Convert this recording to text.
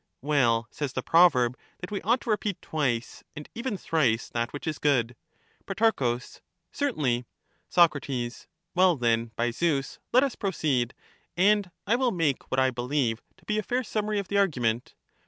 Well says the proverb, that we ought to repeat twice and even thrice 60 that which is good. Pro. Certainly. Soc^ Well then, by Zeus, let us proceed, and I will make what I believe to be a fair summary of the argument.